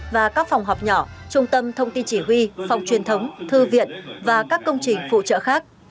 và các phòng họp nhỏ trung tâm thông tin chỉ huy phòng truyền thống thư viện và các công trình phụ trợ khác